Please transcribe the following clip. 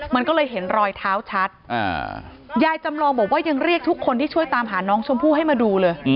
มันก็เลยเห็นรอยเท้าชัดยายจำลองบอกว่ายังเรียกทุกคนที่ช่วยตามหาน้องชมพู่ให้มาดูเลย